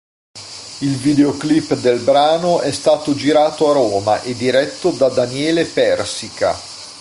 Il videoclip del brano è stato girato a Roma e diretto da Daniele Persica.